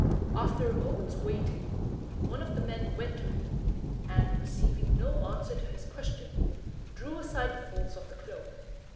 After a few moments' waiting, one of the men went to him, and, receiving no answer to his question, drew aside the folds of the cloak.